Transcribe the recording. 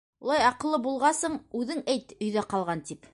Улай аҡыллы булғасың, үҙең әйт өйҙә ҡалған тип...